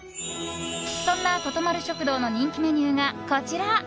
そんな、とと丸食堂の人気メニューがこちら。